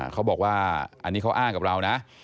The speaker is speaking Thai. เขาบอกว่าอันนี้เขาอ้างกับเรานะ